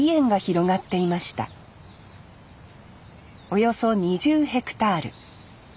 およそ２０ヘクタール。